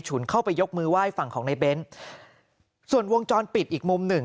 เข้าไปยกมือไหว้ฝั่งของในเบ้นส่วนวงจรปิดอีกมุมหนึ่ง